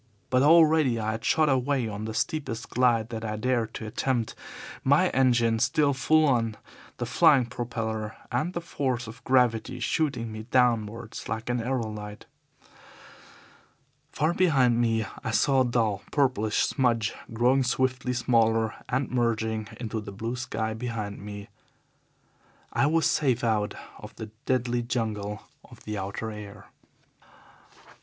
But already I had shot away on the steepest glide that I dared to attempt, my engine still full on, the flying propeller and the force of gravity shooting me downwards like an aerolite. Far behind me I saw a dull, purplish smudge growing swiftly smaller and merging into the blue sky behind it. I was safe out of the deadly jungle of the outer air.